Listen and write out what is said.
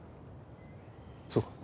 そうか。